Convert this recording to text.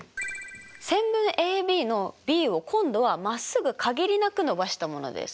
線分ＡＢのＢを今度はまっすぐかぎりなくのばしたものです。